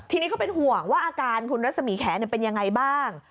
ทีนี้ก็เป็นห่วงว่าอาการคุณรัศมีแขนเป็นยังไงบ้าง